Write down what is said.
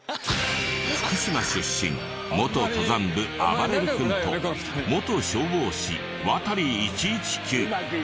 福島出身元登山部あばれる君と元消防士ワタリ１１９。